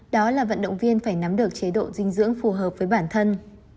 đó là vận động viên phải nắm được chế độ dinh dưỡng phù hợp với bản thân